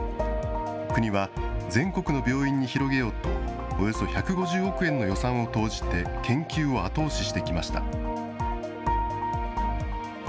国は全国の病院に広げようと、およそ１５０億円の予算を投じて研究を後押ししてきました。